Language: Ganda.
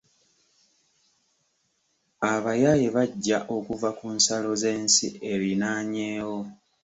Abayaaye bajja okuva ku nsalo z'ensi erinaanyeewo.